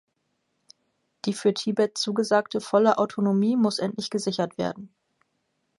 Die für Tibet zugesagte volle Autonomie muss endlich gesichert werden.